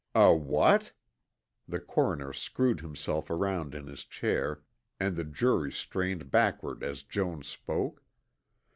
"A what?" The coroner screwed himself around in his chair and the jury strained backward as Jones spoke.